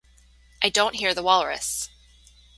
I don't hear the walrus!